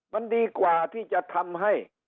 มันดีกว่าที่จะทำให้